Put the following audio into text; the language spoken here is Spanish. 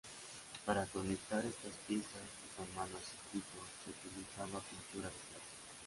Para conectar estas piezas y formar los circuitos se utilizaba pintura de plata.